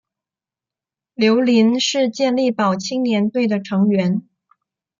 刘麟是健力宝青年队的成员。